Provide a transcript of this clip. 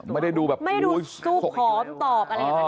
ไม่ได้ดูหอมตอบอะไรเธอนะ